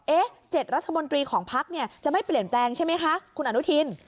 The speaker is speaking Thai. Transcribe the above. ๗รัฐมนตรีของพักเนี่ยจะไม่เปลี่ยนแปลงใช่ไหมคะคุณอนุทิน